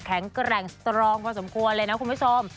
แข็งแกร่งสตรองพอสมควรเลยนะคุณผู้ชม